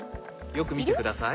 よく見て下さい。